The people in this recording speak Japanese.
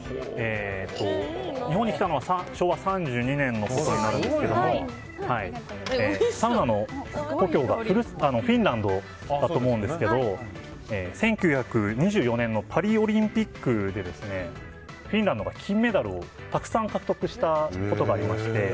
日本に来たのは昭和３２年になるんですけどサウナの故郷がフィンランドだと思うんですけど１９２４年のパリオリンピックでフィンランドが金メダルをたくさん獲得したことがありまして。